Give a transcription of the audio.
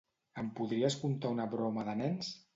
Em podries contar una broma de nens?